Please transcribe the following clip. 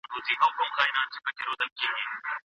ایا لوی صادروونکي کاغذي بادام پروسس کوي؟